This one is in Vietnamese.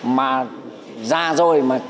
mà già rồi